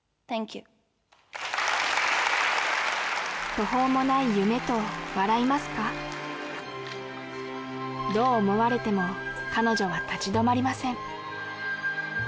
途方もない夢と笑いますかどう思われても彼女は立ち止まりません